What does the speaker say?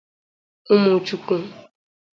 Ụmụchukwu